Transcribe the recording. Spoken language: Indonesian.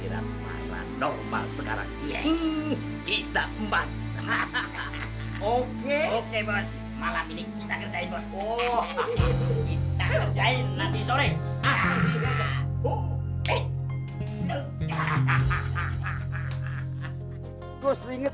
hahaha normal sekarang kita mbak hahaha oke oke bos malam ini kita kerjain bos